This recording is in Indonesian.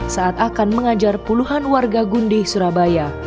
saat akan mengajar puluhan warga gundi surabaya